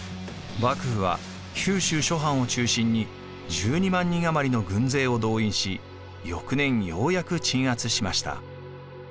幕府は九州諸藩を中心に１２万人余りの軍勢を動員し翌年ようやく鎮圧しました。